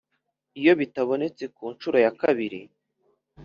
iyo bitabonetse ku nshuro ya kabiri